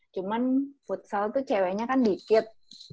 cuman futsal tuh ceweknya kan dikit